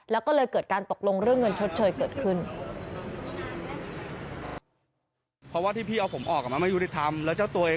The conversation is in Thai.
แล้วก็เลยเกิดการตกลงเรื่องเงินชดเชยเกิดขึ้น